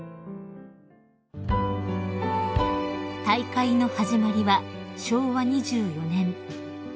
［大会の始まりは昭和２４年］